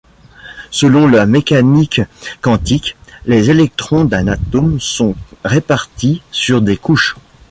Selon la mécanique quantique, les électrons d'un atome sont répartis sur des couches.